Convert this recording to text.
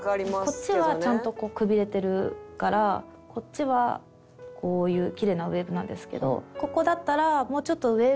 こっちはちゃんとくびれてるからこっちはこういうキレイなウェーブなんですけどここだったらもうちょっとウェーブ